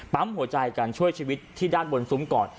หัวใจกันช่วยชีวิตที่ด้านบนซุ้มก่อน